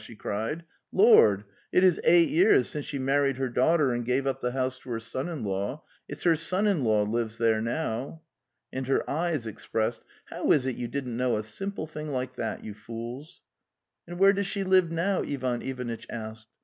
she cried. 'Lord! it is eight years. since she married her daughter and gave up the house to her son in law! It's her son in law lives there now." And her eyes expressed: '' How is it you didn't know a simple thing like that, you fools? "'"* And where does she live now?"' Ivan Ivanitch asked.